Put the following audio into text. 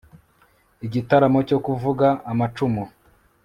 igitaramo cyo kuvuga amacumu